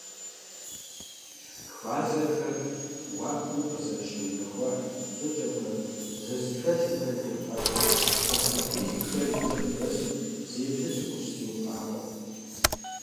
Квазархэр уахэм къызэрыщыунэхуа щIыкIэмрэ зэрызэхэлъымрэ ехьэлIауэ астрофизикхэр иджыри къыздэсым зы еплъыкIэм къыщызэтеувыIакъым.